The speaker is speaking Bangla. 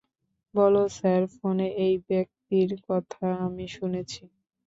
বলো স্যার ফোনে এই ব্যক্তির কথা আমি শুনেছি।